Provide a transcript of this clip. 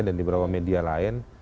dan di beberapa media lain